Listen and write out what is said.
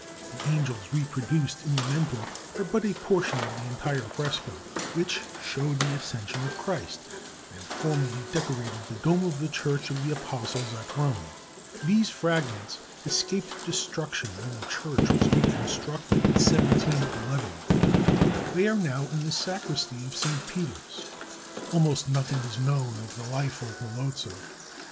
The angels reproduced in The Mentor are but a portion of the entire fresco, which showed the Ascension of Christ, and formerly decorated the dome of the Church of the Apostles at Rome. These fragments escaped destruction when the church was reconstructed in 1711. They are now in the Sacristy of Saint Peter's. Almost nothing is known of the life of Melozzo.